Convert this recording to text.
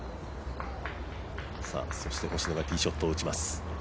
そして星野がティーショットを打ちます。